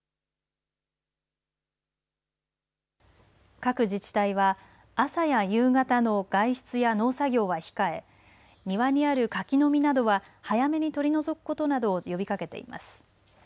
各自治体は朝や夕方の外出や農作業は控え庭にある柿の実などは早めに取り除くことなどを呼びかけています。